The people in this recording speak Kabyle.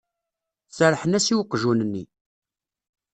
Serrḥen-as i weqjun-nni.